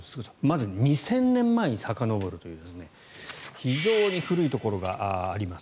まず２０００年前にさかのぼるという非常に古いところがあります。